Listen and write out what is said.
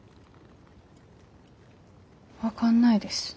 分かんないです。